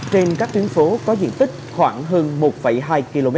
trên các tuyến phố có diện tích khoảng hơn một hai km